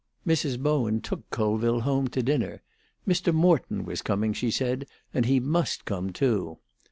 Mrs. Bowen took Colville home to dinner; Mr. Morton was coming, she said, and he must come too.